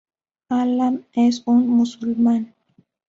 Alam es un musulmán.